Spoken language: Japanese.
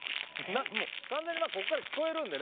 完全にここから聞こえるんでね。